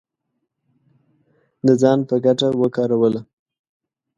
د ځان په ګټه وکاروله